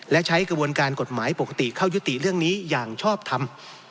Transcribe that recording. และใช้กระบวนการกฎหมายปกติเข้ายุติเรื่องนี้อย่างชอบทำ